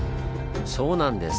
そうなんです！